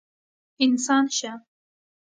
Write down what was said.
انسان شه!